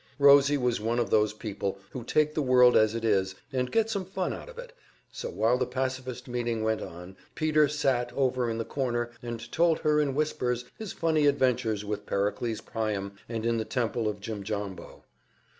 Rosie was one of those people who take the world as it is and get some fun out of it, so while the pacifist meeting went on, Peter sat over in the corner and told her in whispers his funny adventures with Pericles Priam and in the Temple of Jimjambo.